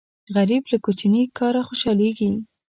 غریب له کوچني کاره خوشاليږي